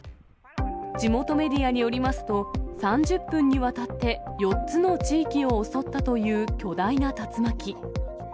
地元メディアによりますと、３０分にわたって、４つの地域を襲ったという巨大な竜巻。